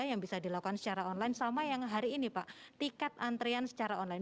yang bisa dilakukan secara online sama yang hari ini pak tiket antrian secara online